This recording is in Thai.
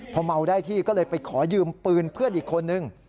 พอเมาได้ที่ก็เลยไปขอยืมปืนเพื่อนอีกคนนึง